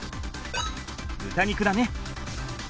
豚肉だね。